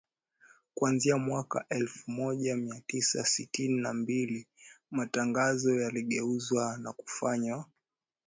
Kuanzia mwaka elfu moja mia tisa sitini na mbili matangazo yaligeuzwa na kufanywa